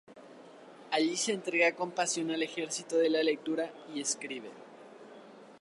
Allí se entrega con pasión al ejercicio de la lectura, y escribe.